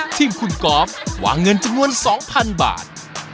ทีมคุณกอล์ฟวางเงินจำนวน๒๐๐๐บาท